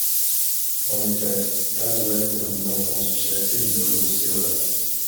En effet, Caldwell est un ami d'enfance du chef Séminole Osceola...